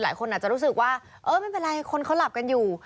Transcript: หลายคนอาจจะรู้สึกว่าเออไม่เป็นไรคนเขาหลับกันอยู่